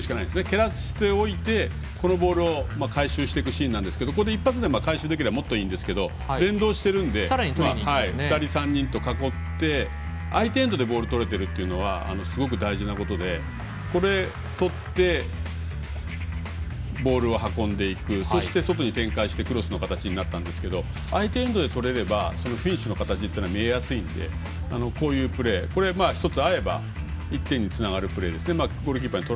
蹴らせておいてこのボールを回収していくシーンなんですけど一発で回収できればもっといいんですけど連動してるんで２人３人と囲って相手エンドでボール取られるというのはすごく大事なことでここで取ってボールを運んでいくそして、外に展開してクロスの展開になったんですけど相手エンドで取れればフィニッシュの形というのが見えやすいんで、こういうプレー一つ合えば１点につながる。